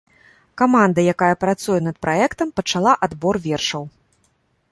Каманда, якая працуе над праектам, пачала адбор вершаў.